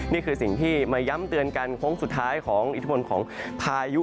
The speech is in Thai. นี่คือสิ่งที่มาย้ำเตือนกันโค้งสุดท้ายของอิทธิพลของพายุ